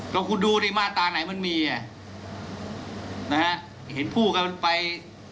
ก็คุณดูดิมาตราไหนมันมีอ่ะนะฮะเห็นพูดกันไป